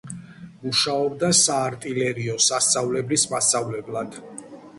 მუშაობდა საარტილერიო სასწავლებლის მასწავლებლად.